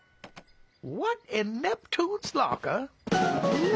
うん？